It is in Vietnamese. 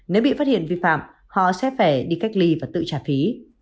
nếu bị phát hiện vi phạm họ sẽ phải đi cách ly và tự trả phí